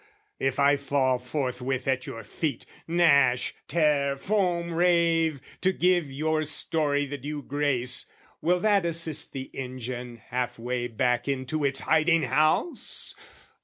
If I fall forthwith at your feet, gnash, tear, Foam, rave, to give your story the due grace, Will that assist the engine half way back Into its hiding house?